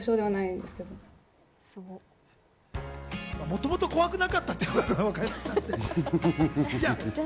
もともと怖くなかったってことがわかりましたね。